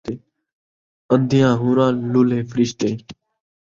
اندھیاں حوراں، لولھے فرشتے